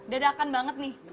dadakan banget nih